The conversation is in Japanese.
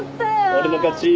俺の勝ち！